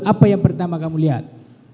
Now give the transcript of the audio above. apa yang pertama kamu lihat